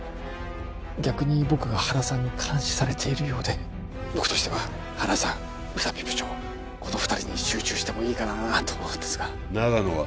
逆に僕が原さんに監視されているようで☎僕としては原さん宇佐美部長☎この２人に集中してもいいかなと思うんですが長野は？